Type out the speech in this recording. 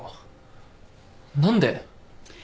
何で？